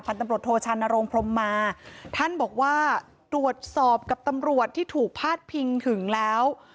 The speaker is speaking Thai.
ตำรวจโทชานโรงพรมมาท่านบอกว่าตรวจสอบกับตำรวจที่ถูกพาดพิงถึงแล้ว